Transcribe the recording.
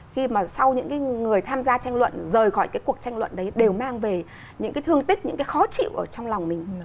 khi mà sau những người tham gia tranh luận rời khỏi cái cuộc tranh luận đấy đều mang về những cái thương tích những cái khó chịu trong lòng mình